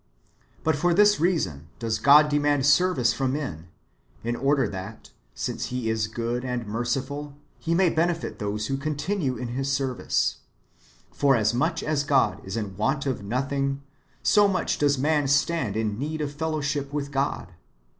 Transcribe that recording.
But for this reason does God demand service from men, in order that, since He is good and merciful, He may benefit those who continue in His service. For, as much as God is in want of nothing, so much does man stand in need of fellowship with God.